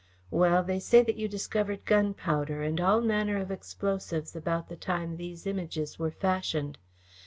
Well, they say that you discovered gunpowder and all manner of explosives about the time these Images were fashioned.